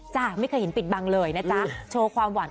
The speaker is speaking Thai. จ้าไม่เคยเห็นปิดบังเลยนะจ๊ะ